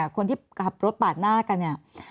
คนที่ขับรถปาดหน้ากัน